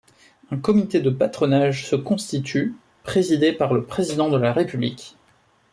Un comité de patronage se constitue, présidé par le Président de la république.